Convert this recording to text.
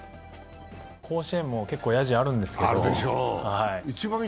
甲子園も結構やじ、あるんですけど。